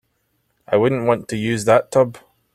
I wouldn't want to use that tub.